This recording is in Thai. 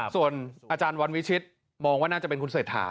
ส่วนอาจารย์วันวิชิตมองว่าน่าจะเป็นคุณเศรษฐา